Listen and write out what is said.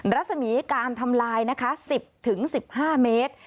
รัศมีการทำลายนะคะ๑๐๑๕เมตร